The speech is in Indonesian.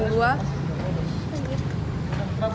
semuanya dukungannya bagus